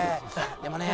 でもね